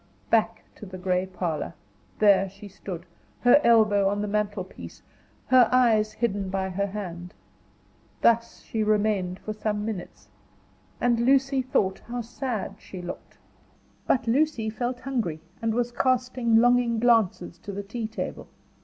Back to the gray parlor, there she stood, her elbow on the mantelpiece, her eyes hidden by her hand. Thus she remained for some minutes, and Lucy thought how sad she looked. But Lucy felt hungry, and was casting longing glances to the tea table.